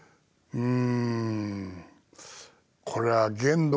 うん。